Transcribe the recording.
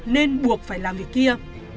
nên buộc phải làm việc kia